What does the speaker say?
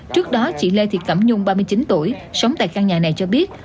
trước đó chị lê thị cẩm nhung ba mươi chín tuổi sống tại căn nhà này cho biết